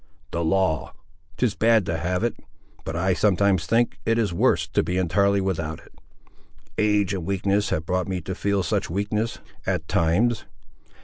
"The law—'tis bad to have it, but, I sometimes think, it is worse to be entirely without it. Age and weakness have brought me to feel such weakness, at times.